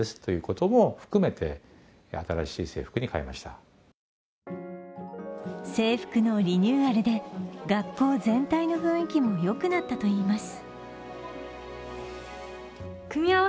その理由は制服のリニューアルで学校全体の雰囲気もよくなったといいます。